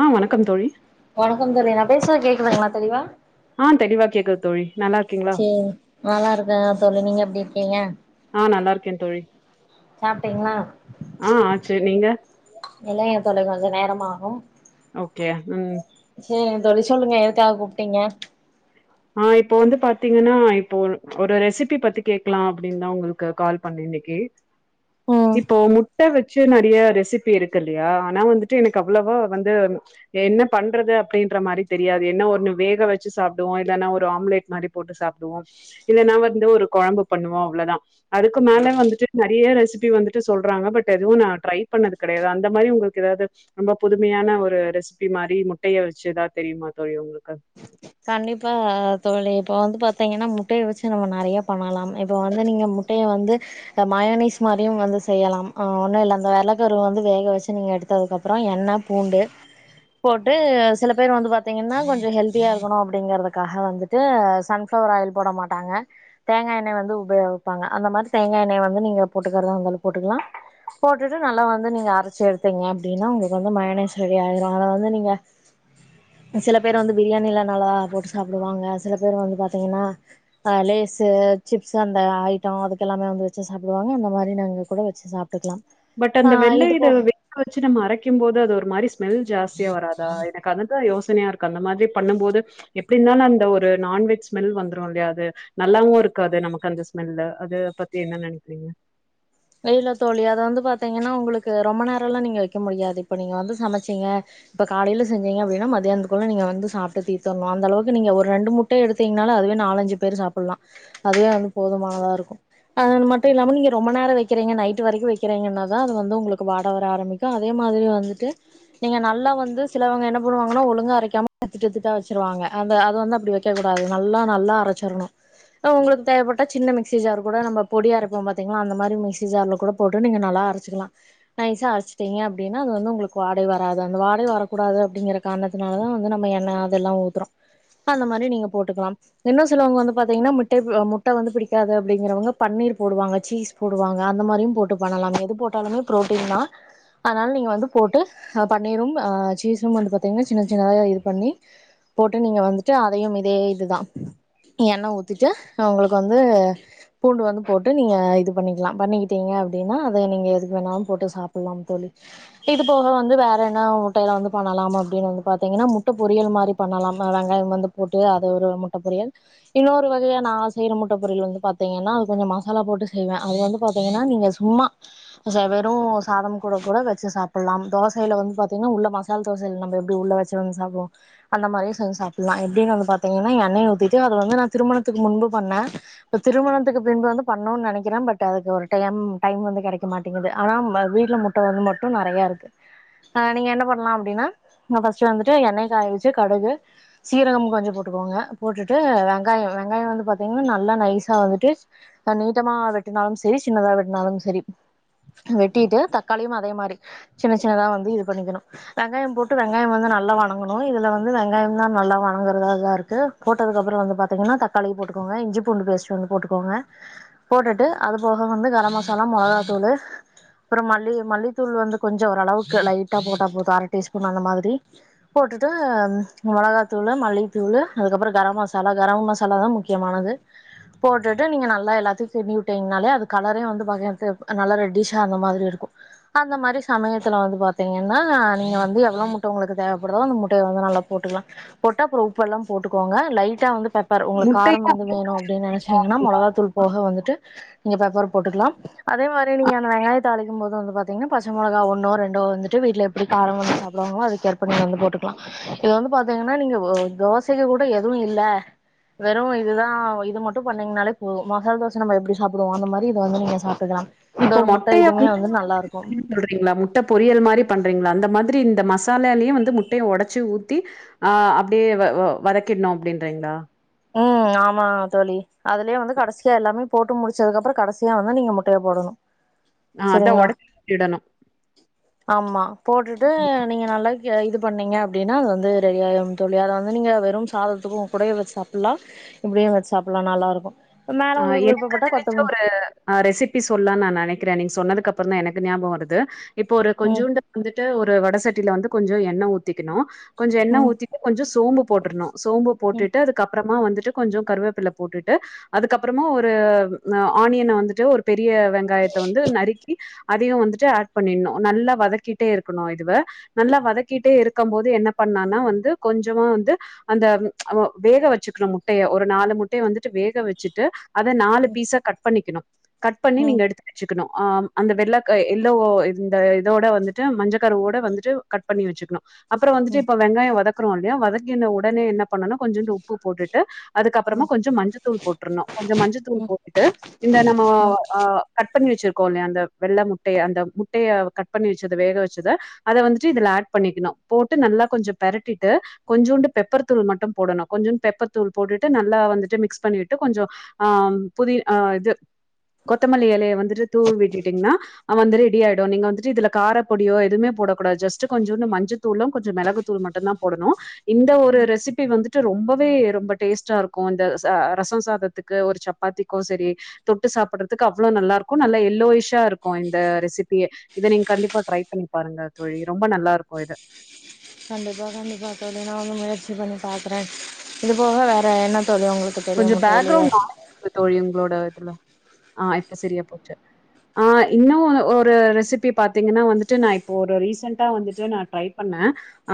ஆ வணக்கம் தோழி வணக்கம் தோழி நா பேசுனத் கேக்குதுங்ளா தெளிவா ஆ தெளிவா கேக்குது தோழி நல்லா இருக்கீங்ளா சேரி நல்லா இருக்கே தோழி நீங்க எப்டி இருக்கீங்க ஆ நல்லா இருக்கே தொழி சாப்ட்டீங்ளா ஆச்சு நீங்க இல்லைங்க தோழி கொஞ்ச நேரமாகு ஓகே ம் சரிங் தோழி சொல்லுங்க எதுக்காக கூப்ட்டீங்க ஆ இப்போ வந்து பாத்தீங்கன்னா இப்போ ஒரு ஒரு ரெசிபி பத்தி கேக்லா அப்டின் தா உங்கள்கு கால் பண்ணே இன்னைக்கு ம் இப்போ முட்ட வச் சி நெறய ரெசிபி இருக்கு இல்லையா ஆனா வந்துட்டு எனக்கு அவ்ளவா வந்து என்ன பண்றது அப்டின்ற மாரி தெரியாது என்ன ஒன்னு வேக வச்சு சாப்டுவோ இல்லன்னா ஒரு ஆம்லேட் மாரி போட்டு சாப்டுவோ இல்லன்னா வந்து ஒரு கொழம்பு பண்ணுவோ அவ்ளதா அதுக்கு மேல வந்துட்டு நெறைய ரெசிபி வந்துட்டு சொல்றாங்க பட் எதுவு நா ட்ரை பண்ணது கெடயாது அந்த மாரி உங்கள்க்கு ஏதாவ்து ரொம்ப புதுமையான ஒரு ரெசிபி மாரி முட்டைய வச்சு ஏதா தெரியுமா தோழி உங்ளுக்கு கண்டிப்பா தோழி இப்ப வந்து பாத்தீங்கன்னா முட்டைய வச்சு நம்ம நெறைய பண்ணலாம் இப்ப வந்து நீங்க முட் டைய வந்து இந்த மயனிஸ் மாரியு வந்து செய்யலாம் ஆ ஒன்னு இல்ல அந்த வெள்ளக்கருவ வந்து வேக வச்சு நீங்க எடுத் ததுக்கு அப்புறோ எண்ண பூண்டு போட்டு செல பேர் வந்து பாத்தீங்கன்னா கொஞ்சோ ஹெல்தியா இரு கணு அப்டிங்கறதுக்காக வந்துட்டு சன் ஃப்ளவர் ஆயில் போட மாட்டாங்க தேங்கா எண்ணெய வந்து உபயோகிப்பாங்க அந்த மாரி தேங்கா எண்ணெய வந்து நீங்க போட்டுக்குறதா இருந்தாலு போட்டுக்குலா போட்டுட்டு நல்லா வந்து நீங்க அரச்சு எடுத்தீங்க அப்டின்னா உங்களுக்கு வந்து மயனேஸ் ரெடி ஆயிரு அத வந்து நீங்க செல பேர் வந்து பிரியாணில நல்லா போட்டு சாப்டுவாங்க சில பேர் வந்து பாத்தீங்கன்னா அ லேஸு சிப்ஸு அந்த ஐட்டோ அதுக்கெல்லாமே வந்து வச்சு சாப்டுவாங்க அந்த மாரி நீங்க கூட வச்சு சாப்ட்டுக்லா பட் அந்த வெள்ள இத வேக வச்சு நம்ம அரைக்கும் போது அது ஒரு மாரி ஸ்மெல் ஜாஸ்தியா வராதா எனக் கு அதுதா யோசனையா இருக்கு அந்த மாத்ரி பண்ணும் போது எப்டி இருந்தாலு அந்த ஒரு நான்வெஜ் ஸ்மெல் வந்துரு இல்யா அது நல்லாவு இருக்காது நமக்கு அந்த ஸ்மெல்லு அத பத்தி என்ன நெனைக்றீங்க அ இல்ல தோழி அத வந்து பாத்தீங்கன்னா உங்களுக்கு ரொம்ப நேரல்லா நீங்க வைக்க முடியாது இப்ப நீங்க வந்து சமச்சீங்க இப்ப காலைய்ல செஞ்சீங்க அப்டின்னா மதியானத்துக்குள்ள நீங்க வந்து சாப்ட்டு தீத்தர்ணு அந்தளவுக்கு நீங்க ஒரு ரெண்டு முட் டைய எடுத்தீங்னாலே அதுவே நாலஞ்சு பேர் சாப்பிட்லா அதுவே வந்து போதுமானதா இருக்கு அது மட்டு இல்லாம நீங்க ரொம்ப நேர வை வைக்கிறீங்க நைட் வரைக்கு வைக்கிறீங்கன்னாதா அது வந்து உங்ளுக்கு வாட வர ஆரம்பிக்கு அதே மாதிரி வந்துட்டு நீங்க நல்லா வந்து சிலவங்க என்ன பண்ணுவாங்கன்னா ஒழுங்கா அரைக்காம திட்டுத்திட்டா வச்ருவாங்க அந்த அது வந்து அப்டி வைக் வைக்க கூடாது நல்லா நல்லா அரச்சிர்ணு ஆ உங்களுக்கு தேவைப்பட்டா சின்ன மிக்சி ஜார் கூட நம்ம பொடி அரப்போ பாத்தீங்ளா அந்த மாரி மிக் சி ஜார்ல கூட போட்டு நீங்க நல்லா அரைச்சுக்கலா நைசா அரைச்சிட்டீங்க அப்டின்னா அது வந்து உங்களுக்கு வாடையே வராது அந்த வாடையு வரக்கூடாது அப்டிங்கிறக் காரணத்துனாலதா வந்து நம்ம எண்ணெ அதெல்லா ஊத்துறோ அந்த மாரி நீங்க போட்டுக்கலாம் இன்னு சிலவங்க வந்து பாத்தீங்கன்னா முட்டை முட்ட வந்து பிடிக்காது அப்டிங்கிறவங்க பன்னீர் போடுவாங்க சீஸ் போடுவாங் க அந்த மாரியு போட்டு பண்ணலாம் எது போட்டாலுமே புரோட்டீன்தா அதனால நீங்க வந்து போட்டு பன்னீரும் ஆ சீஸும் வந்து பாத்தீங்கன்னா சின்ன சின்னதா இது பண்ணி போட்டு நீங்க வந்துட்டு அதையும் இதே இதுதா எண்ணெ ஊத்திட்டு அவங்களுக்கு வந்து பூண்டு வந்து போட்டு நீங்க இது பண்ணிக் ல்லா பண்ணிக்கிட்டீங்க அப்டின்னா அத நீங்க எதுக்கு வேணாலு போட்டு சாப்லாம் தோழி இது போக வந்து வேற என்ன முட்டையில வந்து பண்ணலாம் அப்டின்னு வந்து பாத்தீங்கன்னா முட்ட பொரியல் மாரி பண்ணலாம் வெங்காயம் வந்து போட்டு அத ஒரு முட்ட பொரியல் இன்னொரு வகையா நா செய்ற முட்ட பொரியல் வந்து பாத்தீங்கன்னா அது கொஞ்சோ மசாலா போட்டு செய்வே அது வந்து பாத்தீங்கன்னா நீங்க சும்மா வெறு சாதம் கூட கூட வச்சி சாப்லாம் தோசையில வந்து பாத்தீங்கன்னா உள்ள மசா ல் தோசைல நம்ப எப்டி உள்ள வச்சி வந்து சாப்டுவோ அந்த மாரியு செஞ்சி சாப்லா எப்டின்னு வந்து பாத்தீங்கன்னா எண்ணெய்ய ஊத்திட்டு அத வந்து நா திருமணத்துக்கு முன்பு பண்ணே இப்ப திருமணத்துக்கு பின்பு வந்து பண்ணுன்னு நெனைக்கிறே பட் அதுக்கு ஒரு டைம் டைம் வந்து கெடைக்க மாட்டிங்குது ஆனா வீட்ல முட்டை வந்து மட்டு நெறையா இருக்கு ஆ நீங்க என்ன பண்ணலா அப்டின்னா ஃபர்ஸ்ட் வந்துட்டு எண்ணெய்ய காய வச்சி கடுகு சீரகம் கொஞ்சோ போட்டுக்கோங்க போட்டுட்டு வெங்காயோ வெங்காய வந்து பாத்தீங்கன்னா நல்லா நைஸா வந்துட்டு இப்ப நீட்டமா வெட்டுனாலும் செரி சின்னதா வெட்டுனாலும் செரி வெட்டிட்டு தக்காளியும் அதே மாரி சின்ன சின்னதா வந்து இது பண்ணிக்கணு வெங்காயம் போட்டு வெங்காயம் வந்து நல்லா வணங்கணு இதுல வந்து வெங்காயம் தா நல்லா வணங்குறதாதா இருக்கு போட்டதுக்கப்பறோ வந்து பாத்தீங்கன்னா தக்காளி போட்டுக்கோங்க இஞ்சி பூண்டு பேஸ்ட் வந்து போட்டுக்கோங்க போட்டுட்டு அது போக வந்து கரம் மசாலா மொளகாத்தூளு அப்பறோ மல்லி மல்லித்தூள் வந்து கொஞ்சோ ஓரளவுக்கு லைட்டா போட்டா போது அர டீஸ்பூன் அந்த மாதிரி போட்டுட்டு மொளகா தூளு மல்லித்தூளு அதுக்கப்பறோ கரம் மசாலா கரம் மசாலாதா முக் கியமானது போட்டுட்டு நீங்க நல்லா எல்லாத்தையு கிண்டி வுட் டிங்னாலே அது கலரே வந்து பாக்க இந்த இப் நல்லா ரெட்டிஷா அந்த மாதிரி இருக்கு அந்த மாரி சமயத்துல வந்து பாத்தீங்கன்னா நீங்க வந்து எவ்ளோ முட்ட உங்களுக்கு தேவ படுதோ அந்த முட்டையை வந்து நல்லா போட்டுக்கலா போட்டா அப்பறோ உப்பு எல்லா போட்டுக்கோங்க லைட்டா வந்து பாத் பார் உங்களுக்கு காரம் முட்டையும் வந்து வேணு அப்டின்னு நெனச்சிங்கன்னா மொளகாதூள் போக வந்துட்டு நீங்க பெப்பர் போட்டுக்கலாம் அதே மாரி நீங்க அந்த வெங்காயத் தாளிக்கும் போது வந்து பாத்தீங்கன்னா பச்ச மொளகா ஒன்னோ ரெண்டோ வந்துட் டு வீட்ல எப்டி காரம் வந்து சாப்டுவாங்களோ அதுக் கேர்ப்ப நீங்க வந்து போட்டுக்கலா இது வந்து பாத்தீங்கன்னா நீங்க தோசைக்கி கூட எதுவு இல்ல வெறு இதுதா இது மட்டு பண்ணீங்கனாலே போது மசால் தோச நம்ம எப்டி சாப்டுவோ அந்த மாதிரி இத வந்து நீங்க சாப்ட்டுக்கலா இந்த இப்போ ஒரு முட்ட மொட்டைய இதுவுமே வந்து நல்லா இருக்கு பொரியல் சொல்றீங்களா முட்ட பொரியல் மாரி பண்றிங்களா அந்த மாதிரி இந்த மசாலாலயு வந்து முட்டையை ஒடச்சி ஊத்தி ஆ அப்டியே வ வதக்கிடணு அப்டின்றிங்களா ம் ஆமா தோழி அதுலயே வந்து கடைசியா எல்லாமே போட்டு முடிச்சதுக்கு அப்பறோ கடைசியா வந்து நீங்க முட்டையை போடணு ஆ அதான் செரிங்களா ஒடச்சி விடணு ஆமா போட்டுட்டு நீங்க நல்லா இது பண்ணீங்க அப்படின்னா அது வந்து ரெடி ஆயிரும் தோழி அத வந்து நீங்க வெறும் சாதத்துக்கு கூடவே வச்சு சாப்பலா இப்படியு வச்சு சாப்பல்லா நல்லாருக்கு மேல உங்களுக்கு எனக்கு விருப்பப்பட்டா தெரிஞ்ச கொத்த ஒரு ஆ ரெசிபி சொல்லா நா நெனைக்கிறே நீங்க சொன்னதுக்கு அப்புறோ தா எனக்கு ஞாபகம் வருது இப்போ ஒரு ம் கொஞ்சோண்டு வந்துட்டு ஒரு வட சட்டியில வந்து கொஞ்சோ எண்ணெ ஊத்திக்கணு கொஞ்சோ எண்ணெ ம் ஊத்திட்டு கொஞ்சோ சோம்பு போட்டர்ணு சோம்பு ம் போட்டுட்டு அதுக்கப்பறமா வந்துட்டு கொஞ்சோ கருவேப்பில போட்டுட்டு அதுக்கப்பறமா ஒரு ஆனியன வந்துட்டு ஒரு பெரிய வெங்காயத்த வந்து நறுக்கி அதையு வந்துட்டு ஆட் பண்ணின்ணு நல்லா வதக்கிட்டே இருக்கணு இதுவ நல்லா வதக்கிட்டே இருக்கம் போது என்ன பண்ணான்னா வந்து கொஞ்சமா வந்து அந்த ஒ வேக வச்சுக்கணு முட்டைய ஒரு நாலு முட்டைய வந்துட்டு வேக வச் சிட்டு அத நாலு பீஸா கட் பண்ணிக்கிணு கட் பண்ணி ம் நீங்க எடுத்து வச்சுக்குணு அ அந்த வெள்ளக் எல்லோ இந்த இதோட வந்துட்டு மஞ்ச கருவோட வந்துட்டு கட் பண்ணி வச்சுக்குணு அப்புறோ வந்துட்டு ம் இப்ப வெங்காயே வதக்குறோல்லயா வதக்கின ஒடனே என்ன பண்ணனு கொஞ்சோண்டு உப்பு போட்டுட்டு அதுக்கப்பறமா கொஞ்சோ மஞ்சத்தூள் போட்டுருனு கொஞ்சோ மஞ்சத்தூள் ம் போட்டுட்டு இந்த நம்ம ம் அ அ கட் பண்ணி வச்சிருக்கோல்லயா அந்த வெள்ள முட்டைய அந்த முட்டைய கட் பண்ணி வச்சது வேக வச்சத அத வந்துட்டு இதுல ஆட் பண்ணிக்கணு போட்டு நல்லா கொஞ்சே பெரட்டிட்டு கொஞ்சோண்டு பெப்பர் தூள் மட்டு போடணு கொச்சோண்டு பெப்பர் தூள் போட்டுட்டு நல்லா வந்துட்டு மிக்ஸ் பண்ணி விட் டு கொஞ்சோ அ புதி் அ இது கொத்தமல்லி எலைய வந்துட்டு தூவி விட்டுட்டீங்ன்னா ஆ வந்துரு ரெடியாயிடு நீங்க வந்துட்டு இதுல கார பொடியோ எதுமே போடக்கூடாது ஜெஸ்ட்டு கொஞ்சோண்டு மஞ்சத் தூளு கொஞ்சோ மெளகு தூள் மட்டுந்தா போடணு இந்த ஒரு ரெசிபி வந்துட்டு ரொம்பவே ரொம்ப டேஸ்ட்டாருக்கு இந்த ச அ ரசோ சாதத்துக்கு ஒரு சப்பாத்திக்கு செரி தொட்டு சாப்பர்றதுக்கு அவ்ளோ நல்லாருக்கு நல்லா எல்லோயிஷ் ஷாருக்கு இந்த ரெசிபியே இத நீங்க கண்டிப்பா ட்ரைப்பண்ணி பாருங்க தோழி ரொம்ப நல்லாருக்கு இது கண்டிப்பா கண்டிப்பா தோழி நானு முயற்சி பண்ணி பாக்குறே இது போக வேற என்ன தோழி ஒங்களுக்கு கொஞ்சோ பேக்ரவுண்ட் நா [inaudible] இருக்கு தோழி ஒங்களோட இதுல அ இப்ப செரியா போச்சு அ இன்னோன்னு ஒரு ரெசிபி பாத்தீங்கன்னா வந்துட்டு நா இப்போ ஒரு ரீசெண்ட்டா வந்துட்டு நா ட்ரை பண்ண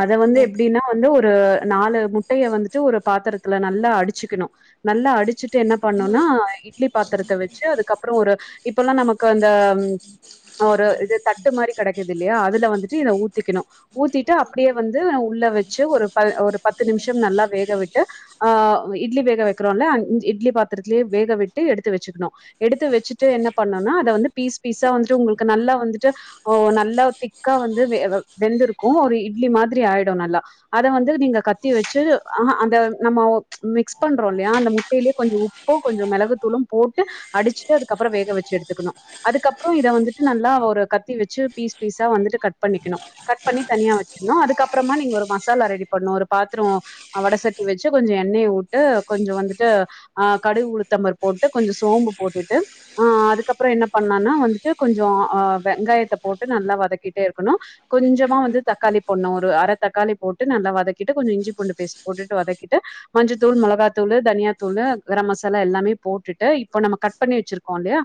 அத வந்து எப்படின்னா வந்து ஒரு நாலு முட்டைய வந்துட்டு ஒரு பாத்திரத்துல நல்லா அடிச்சுக்குணு நல்லா அடிச்சுட்டு என்ன பண்ணுன்னா இட்லி பாத்ரத்த வச்சு அதுக்கப்பற ஒரு இப்பல்லா நமக்கு அந்த ஒரு இது தட்டு மாரி கெடக்கிதில்லையா அதுல வந்துட்டு இத ஊத்திக்குணு ஊத்திட்டு அப்பிடியே வந்து உள்ள வச்சு ஒரு ப ஒரு பத்து நிமிஷோ நல்லா வேக விட்டு அஆ இட்லி வேக வைக்கிறோன்ல இட்லி பாத்திரத்துலே வேக விட்டு எடுத்து வச்சுக்கணு எடுத்து வச்சுட்டு என்ன பண்ணோனா அத வந்து பீஸ் பீஸா வந்துட்டு ஒங்குளுக்கு நல்லா வந்துட்டு ஓ நல்லா திக்கா வந்து வெ வெந்துருக்கு ஒரு இட்லி மாதிரி ஆயிடு நல்லா அத வந்து நீங்க கத்தி வச்சு அ ஹா அந்த நம்மோ மிக்ஸ் பண்றோல்லையா அந்த முட்டையிலே கொஞ்சோ உப்பு கொஞ்சோ மெளகுத்தூளு போட்டு அடிச்சுட்டு அதுக்கப்பறோ வேக வச்சு எடுத்துக்குணு அதுக்கப்பறோ இத வந்துட்டு நல்லா ஒரு கத்தி வச்சு பீஸ் பீஸா வந்துட்டு கட் பண்ணிக்கிணு கட் பண்ணி தனியா வைக்கணு அதுக்கப்பறமா நீங்க ஒரு மசாலா ரெடி பண்ணு ஒரு பாத்ரோ அ வட சட்டி வச்சி கொஞ்சோ எண்ணெய உட் டு கொஞ்சே வந்துட்டு அ கடுகு உளுத்தம்பருப் போட்டு கொஞ்சோ சோம்பு போட்டுட்டு அ அதுக்கப்பறோ என்ன பண்ணலான்னா வந்துட்டு கொஞ்சோ அ வெங்காயத்த போட்டு நல்லா வதக்கிட்டே இருக்கணு கொஞ்சமா வந்து தக்காளி போண்ணு ஒரு அர தக்காளி போட்டு நல்லா வதக்கிட்டு கொஞ்சோ இஞ்சி பூண்டு பேஸ்ட் போட்டுட்டு வதக்கிட்டு மஞ்சத் தூள் மொளகா தூளு தனியா தூளு கரம் மசாலா எல்லாமே போட்டுட்டு இப்ப நம்ம கட் பண்ணி வெச்சிருக்கோல்லயா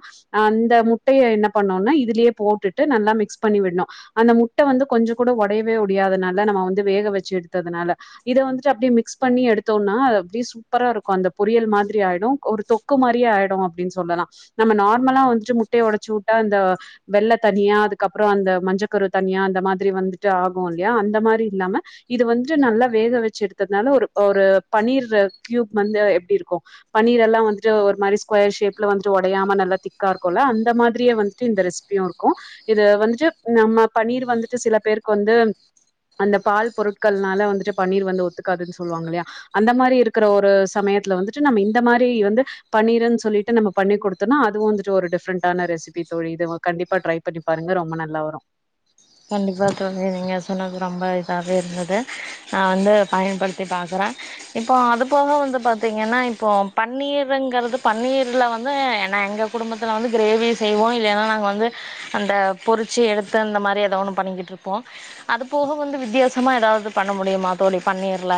அந்த முட்டைய என்ன பண்ணொன்னா இதுலயே போட்டுட்டு நல்லா மிக்ஸ் பண்ணி விட்ணு அந்த முட்ட வந்து கொஞ்சங்கூட ஒடையவே ஒடியாதனால நம வந்து வேக வெச்சு எடுத்ததுனால இத வந்துட்டு அப்டியே மிக்ஸ் பண்ணி எடுத்தோன்னா அப்டியே சூப்பர இருக்கும் அந்த பொரியல் மாதிரி ஆயிடும் ஒரு தொக்கு மாரியே ஆயிடும் அப்டின் சொல்லலா நம்ம நார்மலா வந்துட்டு முட்டைய ஒடச்சு உட்டா இந்த வெள்ள தனியா அதுக்கப்ற அந்த மஞ்சக்கரு தனியா அந்த மாதிரி வந்துட்டு ஆகு இல்லயா அந்த மாரி இல்லாம இது வந்துட்டு நல்லா வேக வெச்சு எடுத்ததுனால ஒரு ஒரு பன்னீர் க்யூப் வந்து எப்டி இருக்கு பன்னீர் எல்லா வந்துட்டு ஒரு மாரி ஸ்கொயர் ஷேப்ல வந்துட்டு ஒடையாம நல்லா திக்கா இருக்குல்ல அந்த மாதிரியே வந்துட்டு இந்த ரெஸ் பியு இருக்கு இது வந்துட்டு நம்ம பன்னீர் வந்துட்டு சில பேருக்கு வந்து அந்த பால் பொருட்கள்னால வந்துட்டு பன்னீர் வந்து ஒத்துக்காதுன் சொல்லுவாங்க ல்லையா அந்த மாரி இருக் க்கிற ஒரு சமயத்துல வந்துட்டு நம்ம இந்த மாரி வந்து பன்னீர்ன்னு சொல்லிட்டு நம்ம பண்ணி கொடுத்தோனா அது வந்துட்டு ஒரு டிஃபரண்டான ரெசிப்பி தோழி இது கண்டிப்பா ட்ரை பண்ணி பாருங்க ரொம்ப நல்லா வரும் கண்டிப்பா தோழி நீங்க சொன்னது ரொம்ப இதாவே இருந்தது நா வந்து பயன்படுத்தி பாக்குறே இப்போ அது போக வந்து பாத்தீங்கன்னா இப்போ பன்னீருங்கிறது பன்னீர்ல வந்து ஏன்னா எங்க குடும்பத்தில வந்து க்ரேவி செய்வோ இல்லைன்னா நாங் வந்து அந்த பொறிச்சு எடுத்து அந்த மாரி ஏதொ ஒன்னு பண்ணிக்கிட்டு இருப்போ அது போக வந்து வித்தியாசமா ஏதாவது பண்ண முடியுமா தோழி பண்ணீர்ல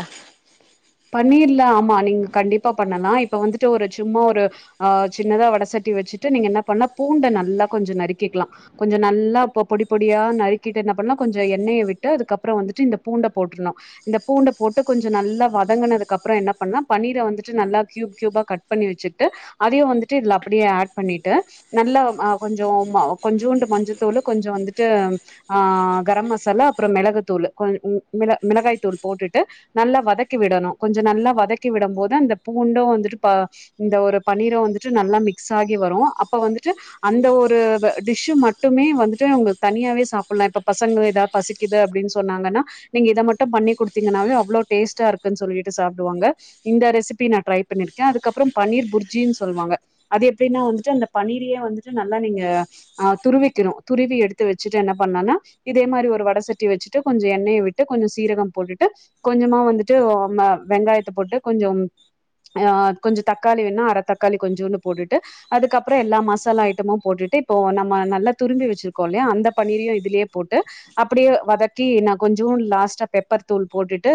பண்ணிர்ல ஆமா நீங்க கண்டிப்பா பண்ணலா இப்ப வந்துட்டு ஒரு சும்மா ஒரு ஆ சின்னதா வடசட்டி வெச்சுட்டு நீங்க என்ன பண்ணா பூண்ட நல்லா கொஞ்ச நறுக்கிக்லா கொஞ்ச நல்லா பொடி பொடியா நறுக்கிட்டு என்ன பண்ணலா கொஞ்சொ எண்ணெய விட்டு அதுக்கப்ற வந்துட்டு இந்த பூண்ட போட்ர்ணு இந்த பூண்ட போட்டு கொஞ்ச நல்லா வ வதங்கினது அப்ற என்ன பண்ணா பன்னீரா வந்துட்டு நல்லா கியூப் கியூபா கட் பண்ணி வெச்சுட்டு அதையு வந்துட்டு இதுல அப்டியே ஆட் பண்ணிட்டு நல்ல அ கொஞ்சொ கொஞ்சோண்டு மஞ்சத்தூலு கொஞ்ச வந்துட்டு ஆ கரம் மசாலா அப்ற மிளகு தூள் மிள மிளகாய் தூள் போட்டுட்டு நல்லா வதக் க்கி விடணு கொஞ்சொ நல்லா வதக்கி விடம் போது அந்த பூண்டு வந்துட்டு ப இந்த ஒரு பன்னீரு வந்துட்டு நல்லா மிக்ஸ் ஆகி வரு அப்ப வந்துட்டு அந்த ஒரு டிஷு மட்டுமே வந்துட்டு உங்களுக்கு தனியாவே சாப்பிட்லா இப்ப பசங்க ஏதாது பசிக் கிது அப்டின்னு சொன்னாங்கன்னா நீங்க இத மட்டு பண்ணி கொடுத்தங்கன்னாவே அவ்ளோ டேஸ்டா இருக் சொல்லிட்டு சாப்டுவாங்க இந்த ரெசிபி நான் ட்ரை பண்ணிருக்கே அதுக்கப்ற பண்ணீர் புர்ஜின்னு சொல்லுவாங்க அது எப்டின்னா வந்துட்டு அந்த பன்னீரையே வந்துட்டு நல்லா நீங்க ஆ துருவிக்னு துருவி எடுத்து வெச்சுட்டு என்ன பண்ணனா இதே மாரி ஒரு வட சட்டி வெச்சுட்டு கொஞ்ச எண்ணெயா விட்டு கொஞ்ச சீரகம் போட்டுட்டு கொஞ்சமா வந்து ட்டு ம வெங்காயத்த போட்டு கொஞ்சோ ஆ கொஞ்ச தக்காளி வேன்னா அர தக்காளி கொஞ்சோன்டு போட்டுட்டு அதுக்கப்ற எல்லா மசாலா ஐட்டமும் போட்டுட்டு இப்போ நம்ம நல்லா துரும்பி வெச்ருக்கோ ல்லயா அந்த பன்னீரையு இதுலயே போட்டு அப்டியே வதக்கி நா கொஞ்சோன்டு லாஸ்டா பெப்பர் தூள் போட்டுட்டு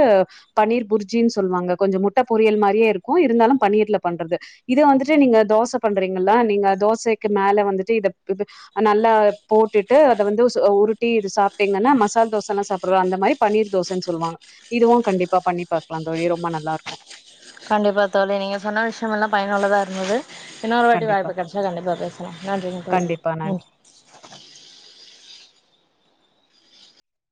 பன்னீர் புர்ஜின்னு சொல்வாங்க கொஞ்ச முட்ட பொறியல் மாரியே இருக்கு இருந்தாலு பன்னீர்ல பண்றது இத வந்துட்டு நீங்க தோச பண்றீங்களா நீங்க தோசைக்கு மேல வந்துட்டு இத நல்லா போட்டுட்டு அத வந்து உருட்டி இது சாப்பிட்டீங்கன்னா மசால் தோச ல்லா சாப்டுறோல அந்த மாரி பன்னீர் தோசன்னு சொல்வாங்க இதுவு கண்டிப்பா பண்ணி பாக்லா தோழி ரொம்ப நல்லா இருக்கு கண்டிப்பா தோழி நீங்க சொன்ன விஷயம் எல்லா பயனுள்ளதா இருந்தது இன்னொரு வாட்டி கண்டிப்பா வாய்ப்பு கெடச்சா கண்டிப்பா பேசலா நன்றிங்க தோழி நன்றி